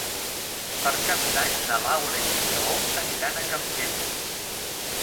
Per Cap d'Any na Laura i en Lleó aniran a Campelles.